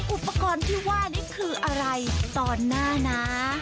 อุปกรณ์ที่ว่านี่คืออะไรตอนหน้านะ